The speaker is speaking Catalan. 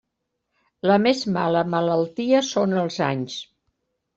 La més mala malaltia són els anys.